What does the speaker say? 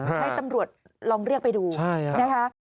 ให้ตำรวจลองเรียกไปดูนะคะใช่ครับ